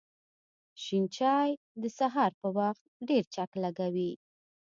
شین چای د سهار په وخت ډېر چک لږوی